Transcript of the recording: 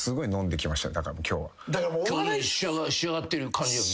今日仕上がってる感じよね。